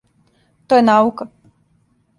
То је наука!